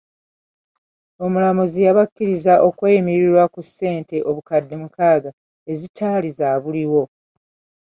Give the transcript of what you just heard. Omulamuzi yabakkiriza okweyimirirwa ku ssente obukadde mukaaga ezitaali za buliwo.